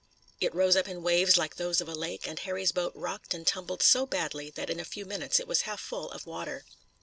It rose up in waves like those of a lake, and Harry's boat rocked and tumbled so badly that in a few minutes it was half full of water.